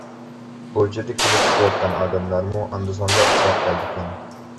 كوچىدا كېلىپ كېتىۋاتقان ئادەملەرمۇ ئاندا-ساندا ئۇچراپ قالىدىكەن.